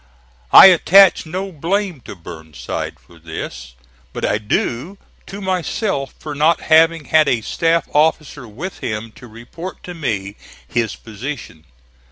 I attach no blame to Burnside for this, but I do to myself for not having had a staff officer with him to report to me his position.